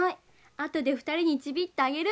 あとで２人にちびっとあげる。